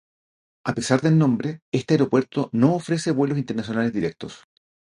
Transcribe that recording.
A pesar del nombre, este aeropuerto no ofrece vuelos internacionales directos.